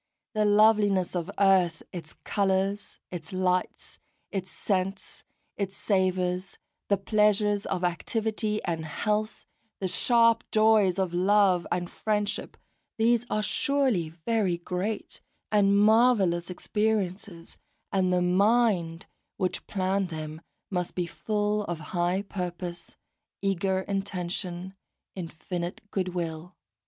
The loveliness of earth, its colours, its lights, its scents, its savours, the pleasures of activity and health, the sharp joys of love and friendship, these are surely very great and marvellous experiences, and the Mind which planned them must be full of high purpose, eager intention, infinite goodwill.